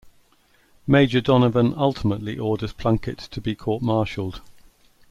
Major Donovan ultimately orders Plunkett to be court-martialed.